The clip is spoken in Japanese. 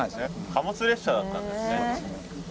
貨物列車だったんですね。